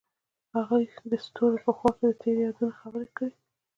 هغوی د ستوري په خوا کې تیرو یادونو خبرې کړې.